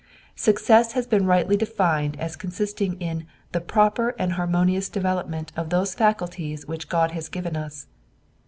Success has been rightly defined as consisting in "the proper and harmonious development of those faculties which God has given us."